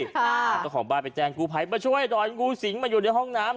เจ้าของบ้านไปแจ้งกู้ภัยมาช่วยดอยงูสิงมาอยู่ในห้องน้ำ